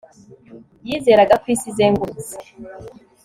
Yizeraga ko isi izengurutse